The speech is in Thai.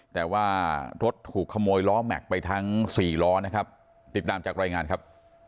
แต่ว่ารถถูกขโมยล้อแม็กซ์ไปทั้งสี่ล้อนะครับติดตามจากรายงานครับ